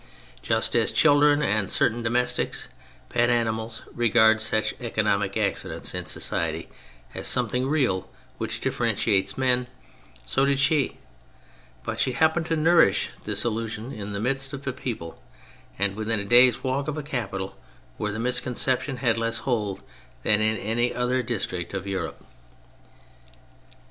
Just as children and certain domestic pet animals regard such economic accidents in society as something real which differentiates men, so did she ;— ^but she happened to nourish this illusion in the midst of a people, and within a day's walk of a capital, where the miscon ception had less hold than in any other district of Europe.